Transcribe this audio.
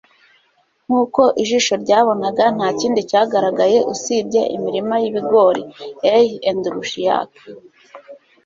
nkuko ijisho ryabonaga, ntakindi cyagaragaye usibye imirima y'ibigori. (aandrusiak